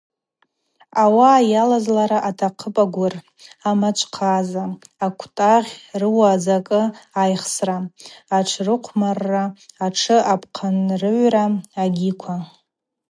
Ауаъа йалазлара атахъыпӏ агвыр, амачвхъаза, аквтӏагъь рыуа закӏы айхсра, атшрыхъвмарра, атшы апхъынрыгӏвра агьиква.